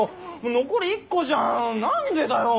残り１個じゃん何でだよ